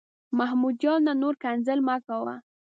محمود جانه، نور کنځل مه کوه.